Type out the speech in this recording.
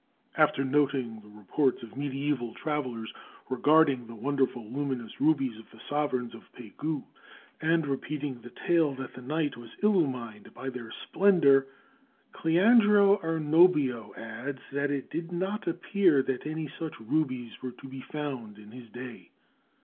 After noting the reports of medieval travellers regarding the wonderful luminous rubies of the sovereigns of Pegu and repeating the tale that the night was illumined by their splendor, Cleandro Arnobio adds that it did not appear that any such rubies were to be found in his day.